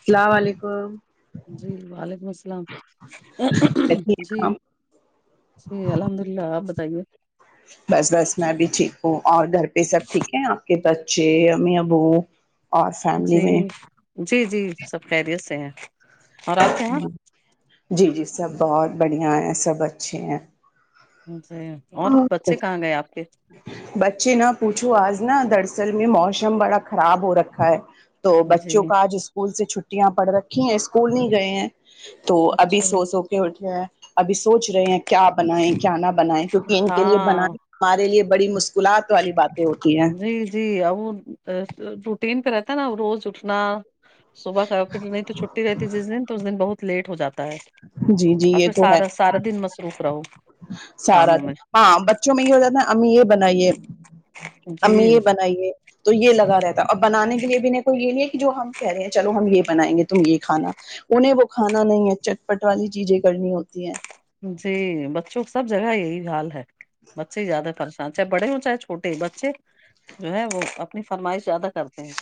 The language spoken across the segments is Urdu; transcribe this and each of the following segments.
اسلام علیکم جی وعلیکم السلام کیسی جی ہیں آپ جی الحمد للہ آپ بتائیے بس بس میں بھی ٹھیک ہوں اور گھر پہ سب ٹھیک ہے آپ کے بچے امی ابو اور فیملی جی میں جی جی سب خیریت سے ہیں اور آپ کے جی یہاں جی جی سب بہت بڑھیا ہیں سب اچھے ہیں جی اور ہاں بچے ٹھیک کہاں گئے آپ کے بچے نہ پوچھو آج نہ دراصل میں موسم بڑا خراب ہو رکھا ہے تو جی بچوں کا آج اسکول سے چھٹیاں پڑ رکھی ہیں اسکول نہیں گئے ہیں تو ابھی اچھا سو سو کے اٹھے ہیں ابھی سوچ رہے ہیں کیا بنائیں کیا نہ بنائیں کیونکہ ان کے لیے ہاں بنانئے ہمارے لیے بڑی مشکلات والی بات جی جی اور وہ روٹین پہ رہتا ہے نہ روز اٹھنا صبح کبھی بھی ان کی چھٹی رہتی جس دن تو اس دن بہت لیٹ ہو جاتا ہے جی جی اور یہ پھر تو ہے سارا سارا دن مصروف رہو سارا کاموں میں ہاں بچوں میں یہ ہو نہ امی یہ بنائیے جی امی یہ بنائیے تو یہ لگا رہتا اب بنانے کے لیے بھی میکو یہ نہیں ہے کہ جو ہم کہہ رہے ہیں چلو ہم یہ بنائیں گے تم یہ کھانا انہیں وہ کھانا نہیں ہے چٹپٹ والی چیزیں کرنی ہوتی ہے جی بچوں سب جگہ یہی حال ہے بچے زیاہ پریشان چاہے بڑے ہو چاہے چھوٹے بچے جو ہے وہ اپنی فرمائش زیادہ کرتے ہیں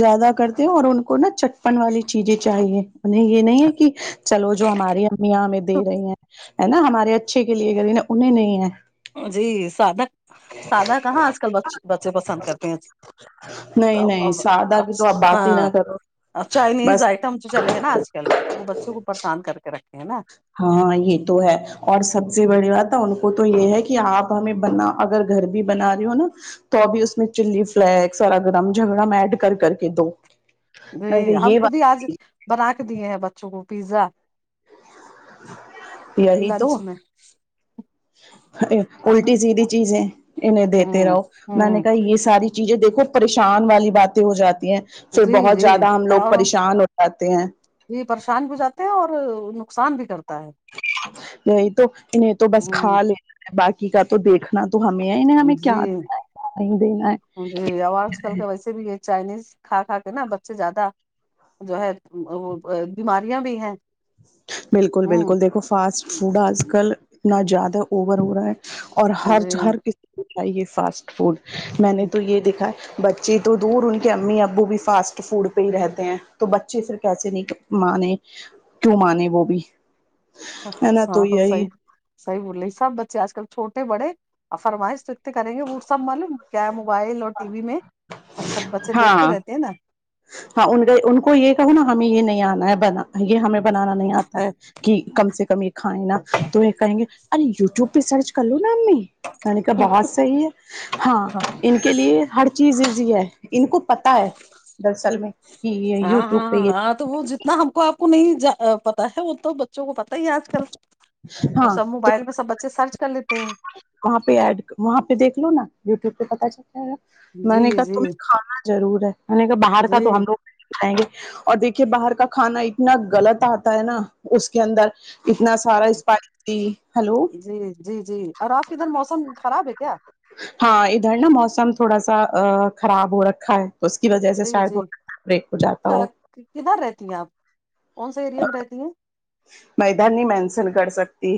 زیادہ کرتے ہیں اور ان کو نا چٹپن والی چیزیں چاہیے انہیں یہ نہیں ہے کہ چلو جو ہماری امیاں ہمیں دے رہی ہیں ہے نا ہمارے اچھے کے لیے نا انہیں نہیں ہے جی سادا سادا کہاں آج کل بچے پسند کرتے ہیں نہیں نہیں سادہ کی تو آپ بات ہی ہاں نہ کرو چائنیز بس آئٹم تو چلے ہے نا آج وہ بچوں کو پرریشان کر کے رکھے ہے نا ہاں یہ تو ہے اور سب سے بڑی بات ہے ان کو تو یہ ہے کہ آپ ہمیں بنا اگر گھر بھی بنا رہی ہو نا تو ابھی اس میں چلی فلیکس اور گرم جھگڑا ایڈ کر کر کے دو جی میں کہ ہم یہ خود ہی بات آج بنا کے دیے ہیں بچوں کو پیزا یہی لنچ تو میں آپ کا الٹی سیدھی چیزیں انہیں دیتے ہوں رہو میں نے ہوں کہا یہ ساری چیزیں دیکھو پریشان والی باتیں ہو جاتی ہیں پھر جی بہت جی زیادہ ہم لوگ پریشان ہو جاتے ہیں یہ پریشان بھی جاتے ہیں اور نقصان بھی کرتا ہے یہی تو انہیں تو بس ہ کھالے باقی کا تو دیکھنا تو ہمیں انہیں ہمیں جی کیا دینا ہے کیا نہیں دینا جی اور آج کل ہیں کا ویسے بھی یہ چائنیز کھا کھا کے نا بچے زیادہ جو ہے بیماریاں بھی ہیں بالکل ہوں بالکل دیکھو فاسٹ فوڈ آج کل اتنا زیادہ اوور ہو رہا ہے اور ہر جی ہر کسی کو چاہیے فاسٹ فوڈ میں نے تو یہ دیکھا ہے بچے تو دور ان کے امی ابو بھی فاسٹ فوڈ پہ ہی رہتے ہیں تو بچے پھر کیسے نہیں کرتے مانے کیوں مانے وہ بھی ہاں ہے نا تو یہی سہی صحیح بول رہے سب بچے آج کل چھوٹے بڑے اور فرمائش تو اتتے کریں گے وہ سب معلوم کیا موبائل اور ٹی وی میں سب بچے دیکھتے ہاں رہتے ہیں نا ہاں ان ان کو یہ کہو نا ہمیں یہ نہیں آنا ہے بنا یہ ہمیں بنانا نہیں آتا ہے کی کم سے کم یہ کھائے نا تو یہ کہیں گے ارے یوٹیوب پہ سرچ کر لو نا امی میں نے کہا بہت صحیح ہے ہاں ان کے لیے ہر چیز ایزی ہے ان کو پتا ہے دراصل میں کی یہ یو ٹیوب ہاں پہ یہ ہاں ہاں وہ جتنا ہم کو آپ کو نہیں جا پتا ہے وہ تو با بچوں کو پتا ہی ہے آج کل وہ ہاں سب تو موبائل پہ سب بچے سرچ کر لیتے ہیں وہاں پہ ایڈ وہاں پہ دیکھ لو نا یوٹیوب پہ پتا چلتا ہے میں نے جی کہا جی تمیں کھانا ضرور ہے میں نے کہا باہر کا تو جی ہم لوگ نہیں اور دیکھیے باہر کا کھانا اتنا غلط آتا ہے نا اس کے اندر اتنا سارا اسپائسی ہیلو جی جی جی اور آپ کے ادھر موسم خراب ہے کیا ہاں ادھر نا موسم تھوڑا سا آ خراب ہو رکھا ہے اس کی وجہ سے جی شاید وہ جی بریک ہو جاتا ہو کدھر رہتی ہیں آپ کون سے ایریا میں رہتی ہیں مے ادہر نہیں مینسن کر سکتی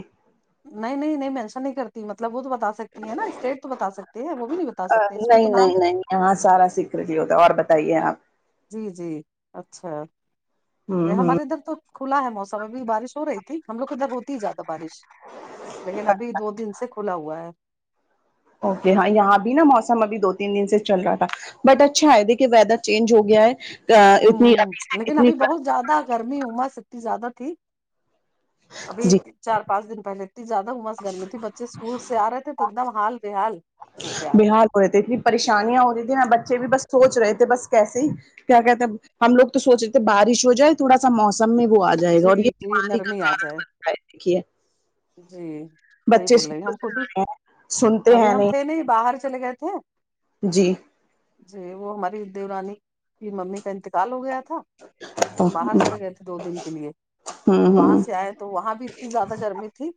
نہیں نہیں نہیں مینشن نہیں کرتی مطلب وہ تو بتا سک تی ہیں نا اسٹیٹ تو بتا سکتی ہیں وہ بھی نہیں بتا سکتے اس میں تو نام ہاں سارا سگریٹ ہی ہوتا اور بتائیے آپ جی جی اچھا ہوں یہ ہوں ہمارے ادھر تو کھلا ہے موسم ابھی بارش ہو رہی ہم لوگ ادھر ہوتی ہی زیادہ بارش لیکن ابھی دو دن سے کھلا ہوا ہے اوکے ہاں یہاں بھی نا موسم ابھی دو تین دن سے چل رہا تھا بٹ اچھا ہے دیکھے ویدر چینج ہو گیا ہے ہوں اتنی ہ لیکن اتنی ابھی بہت زیادہ گرمی امس اتنی زیادہ تھی ابھی جی چار پانچ دن پہلے ا زیادہ امس گھر میں تھی بچے اسکول سے آ رہے تھے تو ایک دم حال بحال ہو کے آ رہے تھے بحال رہے تھے اتنی پریشانیاں ہو رہتی تھیں نا بچے بھی بس سوچ رہے تھے بس کیسے ہی کیا کہتے ہیں ہم لوگ تو سوچ رہے تھے بارش ہو جائے تھوڑا سا موسم میں بھی وہ آ جائے گا اور جی یہ جی بیماری کا نرمی آ کارن جائے بنتا ہے دیکھیے جی صحیح بچے بول رہے ہیں اسکول ہم سے خود آ بھی رہے ہیں سنتے ابھی ہیں ہم تھے نہیں باہر چلے گئے تھے جی جی وہ ہماری دیورانی کی ممی کا انتقال ہو گیا تھا تو باہر چل ہوں گئے تھے دو دن کے لیے وہاں ہوں سے آئے تو وہاں بھی زیادہ گرمی ٹھیک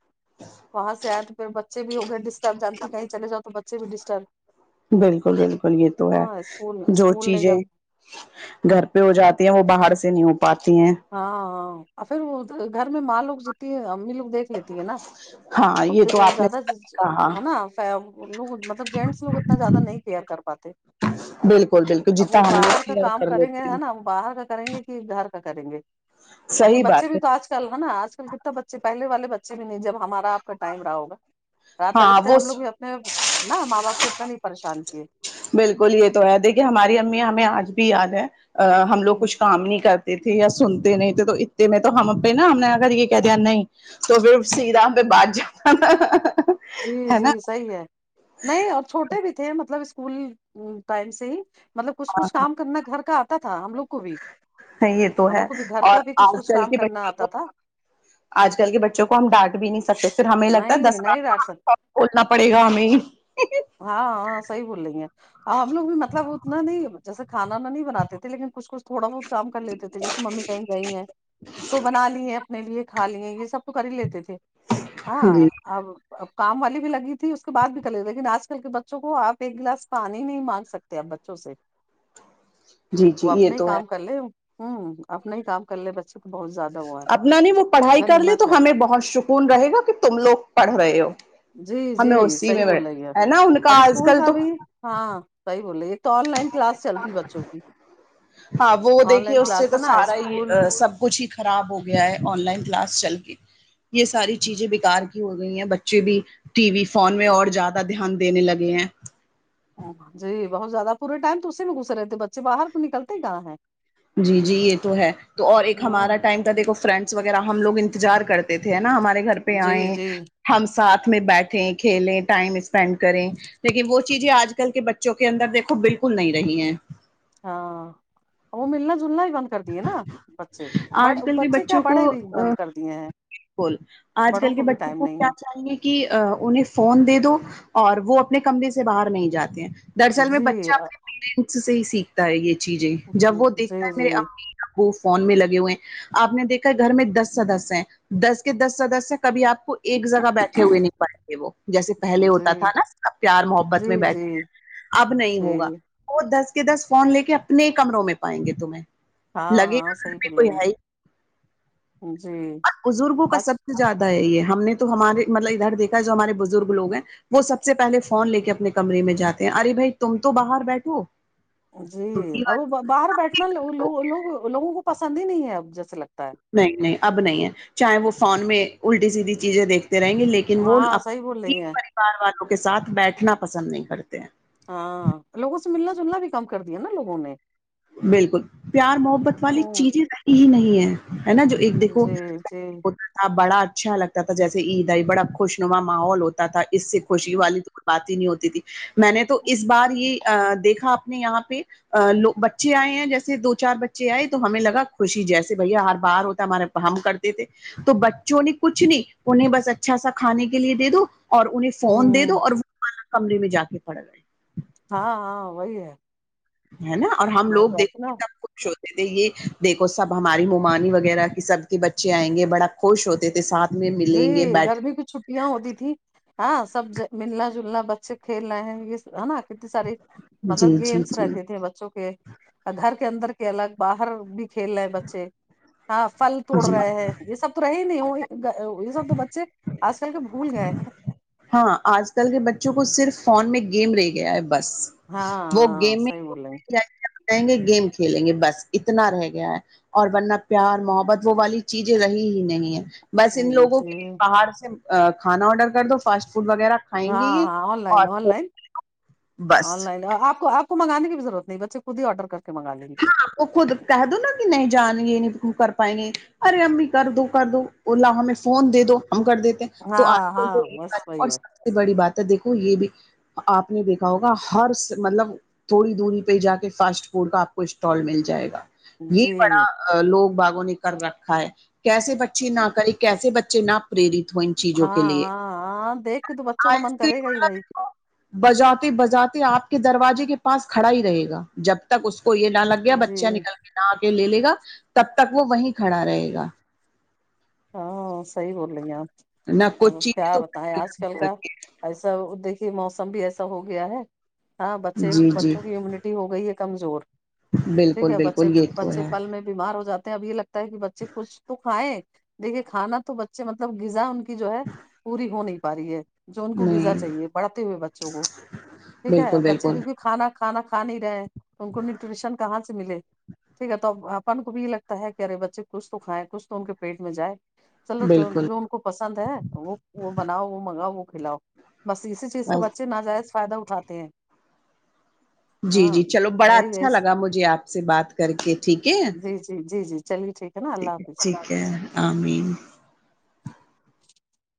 وہاں سے آئے تو پھر بچے بھی ہو گئے ڈسٹرب جانتی کہیں چلے جاؤ تو بچے بھی ڈسٹرب بالکل بالکل یہ تو ہے ہاں اسکول جو اسکول نہیں چیزیں جب گھر پہ ہو جاتی ہیں وہ باہر سے نہیں ہو پاتی ہیں ہاں ہاں پھر گھر میں ماں لوگ جتتی ہے امی لوگ دیکھ لیتی ہے نا ہاں اب یہ تو آپ نے زیادہ کہا ہے نا لوگ مطلب جینٹس لوگ اتنا زیادہ نہیں کیئر کر پاتے بالکل بالکل اب جتنا وہ ہم لوگ باہر کے کیئر کام کر کریں گے لیتے ہے ہیں نا باہر کا کریں گے کہ گھر کا کریں گے اھر صحیح بچے بات بھی ہے تو آج کل چل ہے نا آج کل کتنا بچے پہل والے بچے بھی نہیں جب ہمارا آپ کا ٹائم رہا ہوگا رات اب ہاں اتنے وہ ہم لوگ بھی اپنے نہ ماں باپ کو اتنا نہیں پریشان کیے بالکل یہ تو ہے دیکھیے ہماری امی ہمیں آج بھی یاد ہے ہم لوگ کچھ کام نہیں کرتے تھے یا سنتے نہیں تھے تو اتے میں تو ہم پہ نا ہم نے اگر یہ کہہ دیا نہیں تو پھر سی رام پہ باد جاؤ جی جی صحیح ہے نہیں اور چھوٹے بھی تھے مطلب اسکول ٹائم سے ہی مطلب کچھ کچھ کام کرنا گھر کا آتا تھا ہم لوگ کو بھی ہاں یہ تو ہم ہے لوگ کو بھی گھر اور کا بھی کچھ آج کچھ کل کام کے کرنا بچوں کو آتا تھا آج کل کے بچوں کو ہم ڈانٹ بھی نہیں سکتے پھر ہمیں لگتا نہیں دس نہیں ڈانٹ سکتے بولنا پڑے گا ہمیں ہاں ہاں صحیح بول رہی ہیں اب ہم لوگ بھی مطلب اتنا نہیں جیسے کھا و نا نہیں بناتے تھے لیکن کچھ کچھ تھوڑا بہت کام کر لیتے تھے جیسے ممی کہیں گئی ہیں تو بنا لیے اپنے لیے کھا لیے یہ سب تو کر ہی لیتے تھے ہاں جی اب اب کام والی بھی لگی تھی اس کے بد بھی کرلے لیکن آج کے بچوں کو آپ ایک گلاس پانی نہیں مانگ سکتے آپ بچوں سے جی جی وہ یہ اپنا ہی تو ہے کام کر لے ہوں اپنا ہی کام کر لے بچے کو بہت زیادہ ہوا ہے اپنا نہیں وہ پڑھائی کر لے تو غنیمت ہے ہمیں بہت سکون رہے گا کہ تم لوگ پڑھ رہے ہو جی جی ہمیں اسی صحیح میں بول لینگے ہے نا ان اب کا آج اسکول کل کا تو بھی ہاں صحیح بولے ہاں وہ وہ آن دیکھیے لائن اس سے کلاس تو ہے نا سارا ہی اسکول سب کچھ ہی خراب ہو گیا ہے آن لائن کلاس چل کے یہ ساری چیزیں بکار کی ہو گئی ہیں بچے بھی ٹی وی فون میں اور زیادہ دھیان دینے لگے ہیں جی بہت زیادہ پورے ٹائم تو اسی میں گھسے رہتے بچے باہر کو نکلتے کہاں ہے جی جی یہ تو ہے تو اور ایک ہوں ہمارا ٹائم دیکھو فرینڈس وغیرہ ہم لوگ انتظار کرتے تھے نا ہمارے گھر پے جی آیں جی ہم ساتھ میں بیٹھیں کھیلیں ٹائم اسپینڈ کریں لیکن وہ چیزیں آج کل کے بچے جوک اندر دیکھو بالکل نہیں رہی ہے ہاں وہ ملنا جلنا ہی بند کر دیے نا بچے بڑ آج کل کے بچے کیا بچوں بڑے بھی کو بند کر دیے ہیں بالکل آج بڑوں کل کے بھی بچوں ٹائم کو نہیں کیا ہے چاہیے کی انہیں فون دے دو اور وہ اپنے کمرے سے باہر نہیں جاتے ہیں دراصل میں جی بچہ اپنے پیرنٹس سے ہی سیکھتا ہے یہ چیزیں جب وہ جی دیکھتا ہے میرے جی امی وہ فون میں لگے ہوئے ہیں آپ نے دیکھا گھر میں دس سدسے ہیں دس کے دس سدسے کبھی آپ ایک جگہ بیٹھے ہوئے نہیں پڑھتے تھے وہ جیسے پہلے جی ہوتا تھا ناسب پیار محبت میں جی بیٹھے جی ہیں اب نہیں ہوگا جی وہ دس کے دس فون لے کے اپنے کمروں میں پائیں گے تمہیں لگے ہاں گا ہاں گھر صحیح میں بول کوئی رہی ہے ہی جی بزرگوں کا آج سب سے زیادہ ہے یہ ہم نے تو ہمارے مطلب ادھر دیکھا جو ہمارے بزرگ لوگ ہیں وہ سب سے پہلے فون لے کے اپنے کمرے میں جاتے ہیں ارے بھائی تم تو باہر بیٹھو جی تم کی بات اب باہر بیٹھنا لوگ لوگوں کو پسند ہی نہیں ہے اب جیسے لگتا ہے نہیں نہیں اب نہیں ہے چاہے وہ فون میں الٹی سیدھی چیزیں دیکھ رہیں گے لیکن وہ ہاں صحیح بول اپنے رہی ہیں پریوار والوں کے ساتھ بیٹھنا پسند نہیں کرتے ہیں ہاں لوگوں سے ملنا جلنا بھی کم کر دیا نا لوگوں نے بالکل پیار محبت والی ہوں چیزیں ہی نہیں ہے ہے نا جو ایک دیکھو جی جی بڑا اچھا لگتا تھا جیسے عید آئی بڑا خوشنما ماحول ہوتا تھا اس سے خوشی والی تو کوئی بات ہی نہیں ہوتی تھی میں نے تو اس بار یہ دیکھا آپ یہاں پہ لوگ بچے آئے ہیں جیسے دو چار بچے آئے تو ہمیں لگا خوشی جیسے بھائی ہر بار ہوتا ہے ہمارے ہم کرتے تھے تو بچوں نے کچھ نہیں انہیں بس اچھا سا کھانے کے لیے دے دو اور انہیں فون دے دو ہوں اور وہ والا کمرے میں جا کے پڑ گئے ہاں ہاں وہی ہے ہے نا اور ہم وہی لوگ بات نا دیکھتے خوش ہوتے تھے یہ دیکھو سب ہماری ممانی وغیرہ کی سب کے بچے آئیں گے بڑا خوش ہوتے تھے ساتھ میں ملیں گے بیٹری یہاں ہوتی تھی ہاں سب ملنا جلنا بچے کھیل رہے ہیں یہ ہے نا کتنی ساری جی مطلب جی گیمس جی رہتے تھے بچوں کے اور گھر کے اندر کے الگ باہر بھی کھیل رہے ہیں بچے ہاں پھل توڑ جی رہے ہیں یہ سب تو رہے ہی نہیں یہ سب تو بچے آج کل کے بھول گئے ہیں ہاں آج کل کے بچوں کو صرف فون میں گیم رہے گیا ہے بس ہاں وہ ہاں گیم صحیح بول رہے بائیں گے گیم کھیلیں گے بس اتنا رہ گیا ہے اور ورنہ پیار محبت وہ والی چیزیں رہی ہی نہیں ہے بس ان ہیں لوگوں جی کے باہر سے کھانا آڈر کر دو فاسٹ فوڈ وغیرہ کھائیں گے ہاں یہ ہاں آن لائن آن اور لائن آن بس لائن آپ کو آپ کو منگانے کی بھی ضرورت نہیں بچے خود ہی اوڈر کر کے منگا لیں گے وہ خود کہہ دوا کہ نہیں جان یہ نہیں کر پیں گے ارے امی کر دو کر دو اللہ ہمیں فون دے دو ہم کر دیتے تو آج ہاں کل تو ہاں بس اور وہی ہے سب سے بڑی بات ہے دیکھو یہ بھی آپ نے دیکھا ہوگا ہر مطلب تھوڑی دوری پہ جا کے فاسٹ فوڈ کا اسٹال مل جائے گا یہ جی بڑا لوگ باغوں نے کر رکھا ہے کیسے بچے نہ کرے کیسے بچے نہ پرلی ان چیزوں ہاں کے لیے ہاں ہاں دیکھ کے تو بچوں کا آئس من کرے کریم گا ہی ایا بھائی دیکھو بجاتے بجاتے آپ کے دروازے کے پاس کھڑا ہی رہے گا جب تک اس کو یہ نہ لگے گیا جی بچہ نکل کے نہ آ کے لے لے گا تب تک وہ وہیں کھڑا رہے گا ہاں صحیح بول رہی ہیں نہ آپ اب کچھ چیز کیا تو بتائیں آج کل کا ای جب دیکھیے موسم بھی ایسا ہو گیا ہے ہاں بچے جی جی بچوں کی امیونٹی ہوگئی ہے کمزور ٹھیک بالکل ہے بچے بالکل یہ تو بچے ہے پل میں بیمار ہو جاتے ہیں اب یہ لگتا ہے کہ بچے کچھ تو کھائے دیکھے کھانا تو بچے مطلب غذا ان کے جو ہے پوری ہو نہیں پا رہی ہے جو ان کو نہیں غذا چاہیے پڑھتے ہوئے بچوں کو ٹھیک ہے بالکل بچے بالکل کیونکہ کھانا کھانا کھا نہیں رہے تو ان کو نیوٹریشن کہاں سے ملے ٹھیک ہے تو اپن کو بھی یہ لگتا ہے کہ ارے بچے کچھ تو کھائیں کچھ تو ان کے پیٹ میں جائے چلو بالکل جو ان کو پسند ہے وہ وہ بناؤ وہ منگاؤ وہ کھلاؤ بس اسی چیز کا بس بچے ناجائز فائدہ اٹھاتے ہیں جی ہاں جی چلو بڑا یہی اچھا یہی- لگا مجھے آپ سے بات کر کے ٹھیک ہے جی جی جی جی چلیے ٹھیک ہے نا اللہ یک حافظ ٹھیک ہے آمین